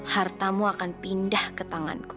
hartamu akan pindah ke tanganku